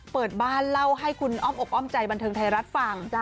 เปิดบ้านเล่าให้คุณอ้อมอกอ้อมใจบันเทิงไทยรัฐฟัง